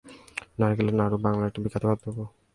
নারকেলের নাড়ু বাংলার এক বিখ্যাত খাদ্য দ্রব্য।